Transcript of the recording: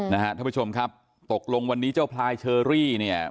ท่านผู้ชมครับตกลงวันนี้เจ้าพลายเชอรี่เนี่ย